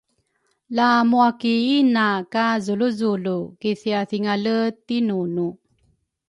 la mwa ki ina ka Zuluzulu kithiathingale tinunu